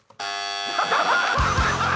ハハハハ！